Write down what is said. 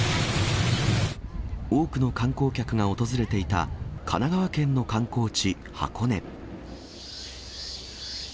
多くの観光客が訪れていた神奈川県の観光地、箱根。